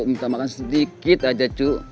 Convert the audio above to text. minta makan sedikit aja cu